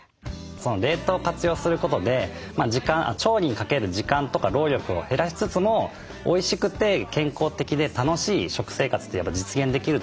冷凍を活用することで調理にかける時間とか労力を減らしつつもおいしくて健康的で楽しい食生活ってやっぱ実現できると思うんですね。